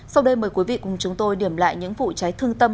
sau đây mời quý vị cùng chúng tôi điểm lại những vụ cháy thương tâm